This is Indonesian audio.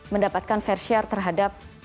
mendapatkan fair share terhadap